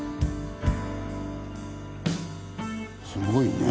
すごいね。